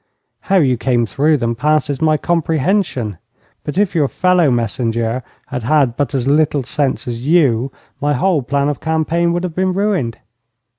How you came through them passes my comprehension; but if your fellow messenger had had but as little sense as you, my whole plan of campaign would have been ruined.